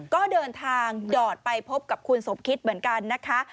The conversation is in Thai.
ก็เดินทางดอดไปพบกับคุณสมคิดเหมือนกันนะคะ